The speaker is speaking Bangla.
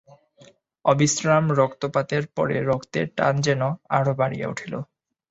অবিশ্রাম রক্তপাতের পরে রক্তের টান যেন আরও বাড়িয়া উঠিল।